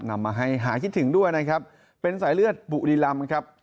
นำมาให้หาคิดถึงด้วยนะครับเป็นสายเลือดบุรีรำครับ